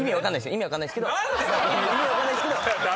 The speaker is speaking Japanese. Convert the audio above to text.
意味は分かんないですけど。